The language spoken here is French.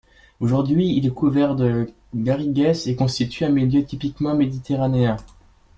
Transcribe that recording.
Aujourd'hui, il est couvert de guarrigues et constitue un milieu typiquement méditerranéen.